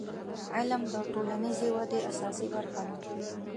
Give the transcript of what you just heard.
• علم د ټولنیزې ودې اساسي برخه ده.